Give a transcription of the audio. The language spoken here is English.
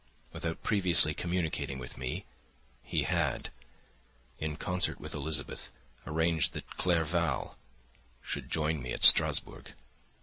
Without previously communicating with me, he had, in concert with Elizabeth, arranged that Clerval should join me at Strasburgh.